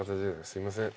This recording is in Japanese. すいません。